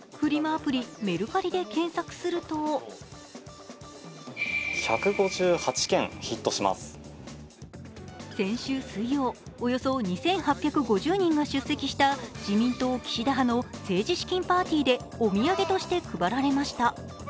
アプリ・メルカリで検索すると先週水曜、およそ２８５０人が出席した自民党・岸田派の政治資金パーティーでお土産として配られました。